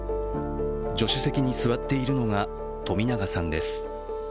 助手席に座っているのが冨永さんです。